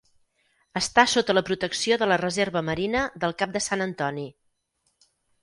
Està sota la protecció de la Reserva marina del Cap de Sant Antoni.